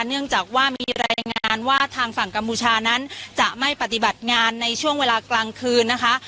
เนื่องจากว่ามีรายงานว่าทางฝั่งกัมพูชานั้นจะไม่ปฏิบัติงานในช่วงเวลากลางคืนนะคะ